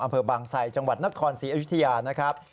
อำเภอบางไซจังหวัดนครศรีอยุธยานะครับ